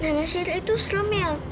nenek sihir itu serem ya